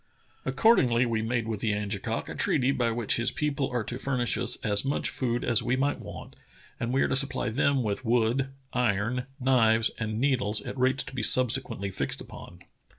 Accord ingly we made with the Angekok a treaty by which his people are to furnish as much food as we might want, and we are to supply them with wood, iron, knives, and needles at rates to be subsequently fixed upon."